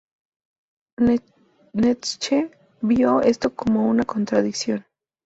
Nietzsche vio esto como una contradicción.